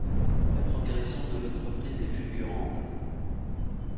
La progression de l’entreprise est fulgurante.